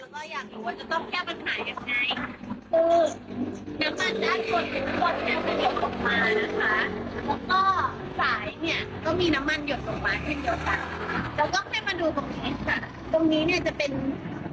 เรื่องร้องเรียนเราก็อยากรู้ว่าจะต้องแก้ปัญหาอย่างง่าย